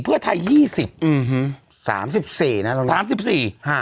เพื่อไทยยี่สิบอื้อฮือสามสิบสี่นะสามสิบสี่ฮะ